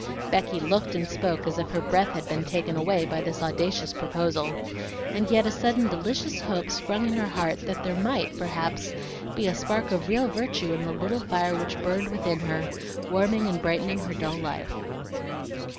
Becky looked and spoke as if her breath had been taken away by this audacious proposal; and yet a sudden delicious hope sprung up in her heart that there might, perhaps, be a spark of real virtue in the little fire which burned within her, warming and brightening her dull life.